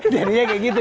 jadinya kayak gitu ya